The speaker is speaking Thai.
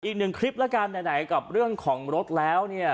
อีกหนึ่งคลิปแล้วกันไหนกับเรื่องของรถแล้วเนี่ย